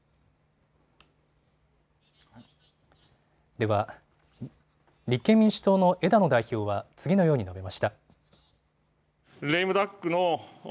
では、立憲民主党の枝野代表は次のように述べました。